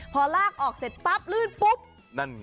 พอลากออกเสร็จปรับดูมันมันคือพรมกันลื่นจริง